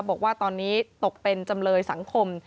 บอกว่าตอนนี้ตกเป็นจำเลยสังคม